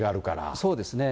そうですね。